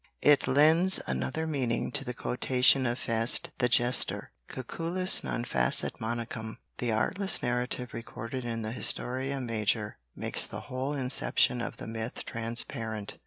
It lends another meaning to the quotation of Feste, the jester: Cucullus non facit Monachum. The artless narrative recorded in the Historia Major makes the whole inception of the myth transparent.